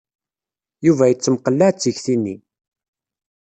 Yuba ittemqellaɛ d tikti-nni.